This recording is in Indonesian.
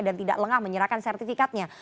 dan tidak lengah menyerahkan sertifikatnya